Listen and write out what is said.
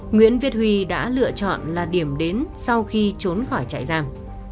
nguyễn viết huy đã lựa chọn là điểm đến sau khi trốn khỏi trại giam